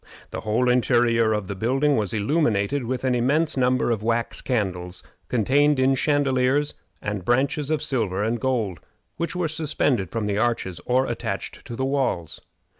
The whole interior of the building was illumined with an immense number of wax candles, contained in chandeliers and branches of silver and gold, which were suspended from the arches or attached to the walls.